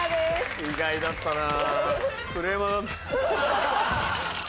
意外だったな。